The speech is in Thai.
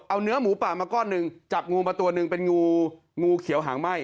เอาเนื้อหมูป่ามาก้อนหนึ่งจับงูมาตัวหนึ่งเป็นงูงูเขียวหางไหม้